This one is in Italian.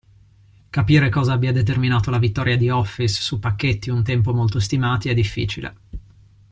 Capire cosa abbia determinato la vittoria di Office su pacchetti un tempo molto stimati è difficile.